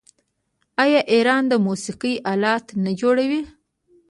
آیا ایران د موسیقۍ الات نه جوړوي؟